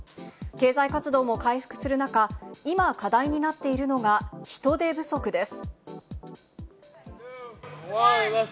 経済活動も回復する中、今、課題になっているのが人手不足です。